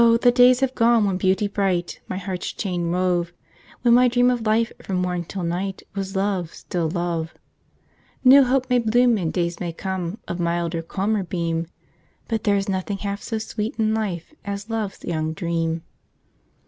the days have gone when Beauty bright My heart's chain wove; When my dream of life from morn till night Was Love, still Love. New hope may bloom and days may come, Of milder, calmer beam, But there's nothing half so sweet in life As Love's Young Dream.'